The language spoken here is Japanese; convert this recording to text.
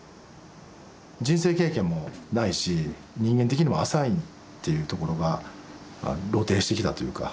人生経験もないし人間的にも浅いっていうところが露呈してきたというか。